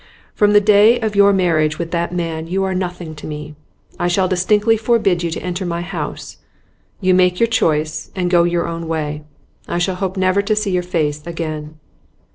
From the day of your marriage with that man you are nothing to me. I shall distinctly forbid you to enter my house. You make your choice, and go your own way. I shall hope never to see your face again.